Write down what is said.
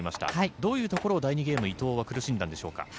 どういうところを第２ゲーム伊藤は苦しんだんでしょうか。